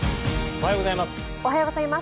おはようございます。